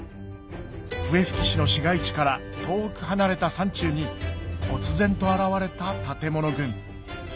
笛吹市の市街地から遠く離れた山中に忽然と現れた建物群